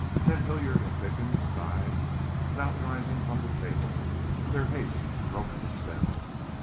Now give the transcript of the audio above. Then Hilliard and Pickens dived without rising from the table. Their haste broke the spell.